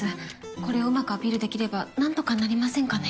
これをうまくアピールできれば何とかなりませんかね？